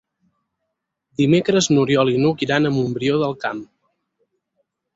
Dimecres n'Oriol i n'Hug iran a Montbrió del Camp.